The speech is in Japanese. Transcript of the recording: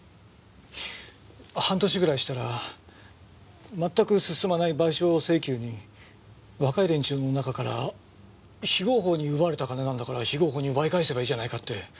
半年ぐらいしたらまったく進まない賠償請求に若い連中の中から非合法に奪われた金なんだから非合法に奪い返せばいいじゃないかって。